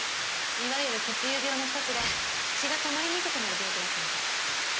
いわゆる血友病の一つで血が止まりにくくなる病気だったみたい。